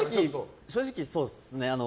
正直、そうっすね。